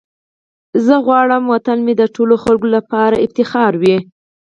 زه غواړم وطن مې د ټولو خلکو لپاره فخر وي.